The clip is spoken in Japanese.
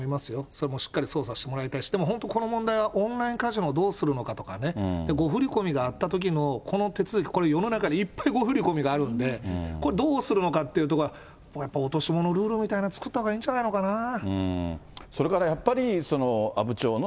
それもしっかり捜査してもらいたいし、でも本当この問題は、オンラインカジノをどうするのかとかね、誤振り込みがあったときのこの手続き、これ、世の中にいっぱい、誤振り込みがあるので、あるんで、これ、どうするのかっていうところが、やっぱ落とし物ルールみたいなの、作ったほうがいいんじゃないかなあ。